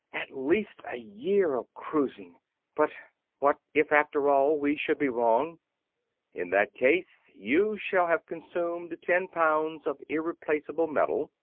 "At least a year of cruising. But ... what if, after all, we should be wrong?" "In that case you shall have consumed ten pounds of irreplaceable metal."